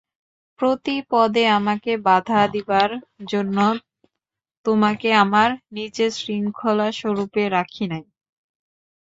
প্রতি পদে আমাকে বাধা দিবার জন্য, তোমাকে আমার নিজের শৃঙ্খলস্বরূপে রাখি নাই।